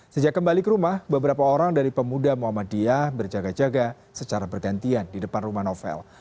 sejak kembali ke rumah beberapa orang dari pemuda muhammadiyah berjaga jaga secara bergantian di depan rumah novel